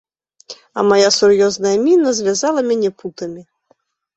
А мая сур'ёзная міна звязала мяне путамі.